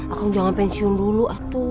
aku mau jualan pensiun dulu